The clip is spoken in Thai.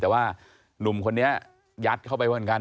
แต่ว่าหนุ่มคนนี้ยัดเข้าไปเหมือนกัน